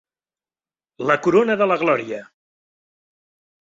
La corona de la glòria.